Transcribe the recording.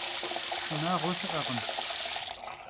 Şşınağue şı'ekhım.